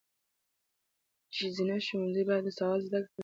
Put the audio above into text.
ښځینه ښوونځي باید د سواد د زده کړې فرصتونه برابر کړي.